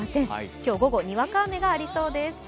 今日午後、にわか雨がありそうです。